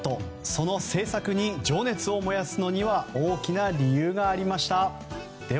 その制作に情熱を燃やすのには大きな理由がありました。